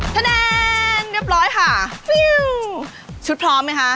เต็ดเด้นเรียบร้อยค่ะชุดพร้อมไหมคะ